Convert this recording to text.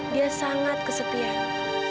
dia sangat kesepian